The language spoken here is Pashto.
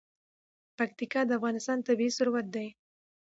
پکتیکا د افغانستان طبعي ثروت دی.